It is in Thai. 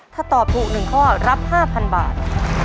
ถ้าตอบถูก๑ข้อรับ๕๐๐๐บาท